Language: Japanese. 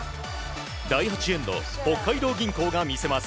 第８エンド北海道銀行が見せます。